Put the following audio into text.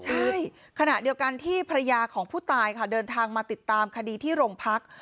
ใช่ขณะเดียวกันที่ภรรยาของผู้ตายค่ะเดินทางมาติดตามคดีที่โรงพัก